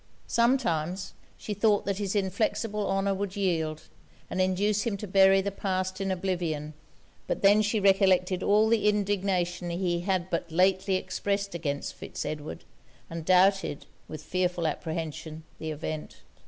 Sometimes, she thought that his inflexible honour would yield, and induce him to bury the past in oblivion. But then she recollected all the indignation he had but lately expressed against Fitz Edward, and doubted, with fearful apprehension, the event.